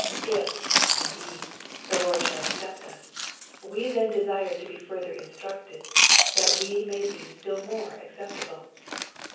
If, indeed, the Lord shall accept us, we then desire to be further instructed, that we may be still more acceptable.